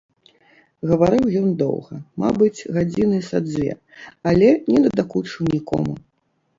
Гаварыў ён доўга, мабыць, гадзіны са дзве, але не надакучыў нікому.